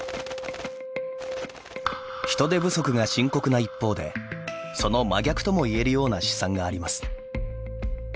人手不足が深刻な一方でその真逆ともいえるような試算があります。